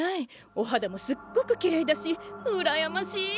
おはだもすっごくきれいだしうらやましい！